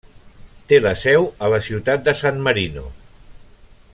Té la seu a la Ciutat de San Marino.